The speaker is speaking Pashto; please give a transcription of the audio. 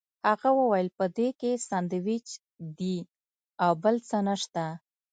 هغه وویل په دې کې ساندوېچ دي او بل څه نشته.